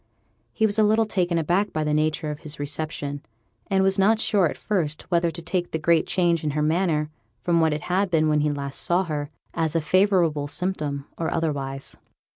He was a little taken aback by the nature of his reception, and was not sure at first whether to take the great change in her manner, from what it had been when last he saw her, as a favourable symptom or otherwise.